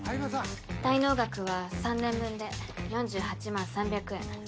滞納額は３年分で４８万３００円。